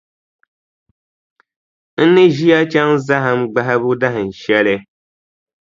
N ni ʒi a chaŋ zahim gbahibu dahinshɛli.